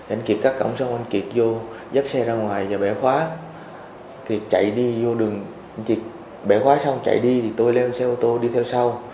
anh kiệt cắt cổng xong anh kiệt vô dắt xe ra ngoài và bẻ khóa kiệt chạy đi vô đường anh kiệt bẻ khóa xong chạy đi thì tôi leo xe ô tô đi theo sau